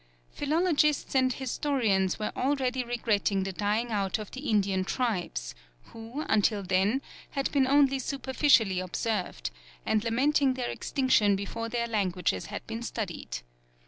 Philologists and historians were already regretting the dying out of the Indian tribes, who, until then, had been only superficially observed, and lamenting their extinction before their languages had been studied.